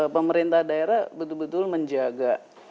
pemerintah daerah betul betul menjaga